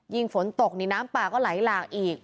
ฝนตกนี่น้ำป่าก็ไหลหลากอีก